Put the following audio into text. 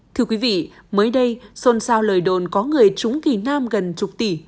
thưa quý vị mới đây sồn sao lời đồn có người trúng kỳ nam gần chục tỷ